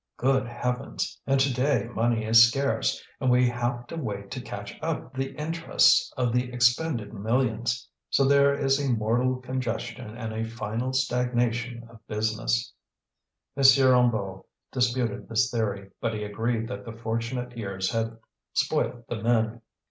Good heavens! and to day money is scarce, and we have to wait to catch up the interest of the expended millions; so there is a mortal congestion and a final stagnation of business." M. Hennebeau disputed this theory, but he agreed that the fortunate years had spoilt the men.